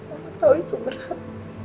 apa tau itu berat